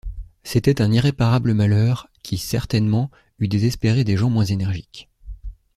C’était un irréparable malheur, qui, certainement, eût désespéré des gens moins énergiques.